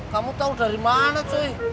kamu tau dari mana cuy